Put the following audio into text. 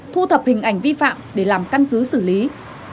thu thập hình ảnh vi phạm để làm căn cứ xử lý